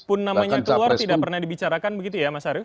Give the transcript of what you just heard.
meskipun namanya keluar tidak pernah dibicarakan begitu ya mas arief